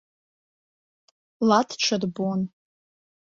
Ла дҽырбон.